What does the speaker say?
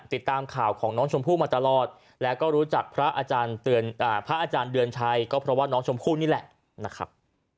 ติดตามข่าวของน้องชมพู่มาตลอดแล้วก็รู้จักพระอาจารย์พระอาจารย์เดือนชัยก็เพราะว่าน้องชมพู่นี่แหละนะครับ